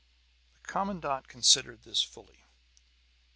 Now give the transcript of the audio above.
The commandant considered this fully.